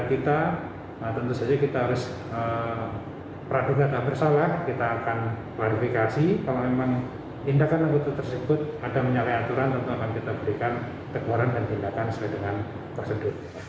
yang indahkan applying termasuk mengatakan keseputulah tahu waktu perpegian ketika tentu saja kita harus berat bekerja bersalah kita akan klarifikasi kalau memang indahkan anggota tersebut ada henay aturan henay atau menyalih aturan aforeggiannya anggota pertumbuhan kita menipu hari jala sudah jadwal bat